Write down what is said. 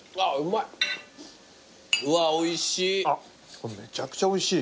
これめちゃくちゃおいしい。